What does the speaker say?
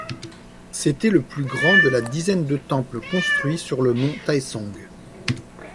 C'était le plus grand de la dizaine de temple construit sur le mont Taesong.